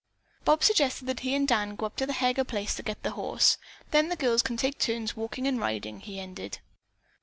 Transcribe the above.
Bob suggested that he and Dan go up to the Heger place to get the horse. "Then the girls can take turns walking and riding," he ended.